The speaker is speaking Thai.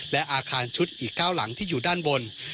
และอาคารชุดอีก๙หลังที่อยู่ด้านบน